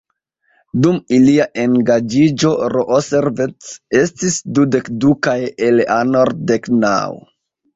Dum ilia engaĝiĝo, Roosevelt estis dudek du kaj Eleanor dek naŭ.